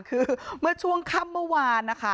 คือเมื่อช่วงค่ำเมื่อวานนะคะ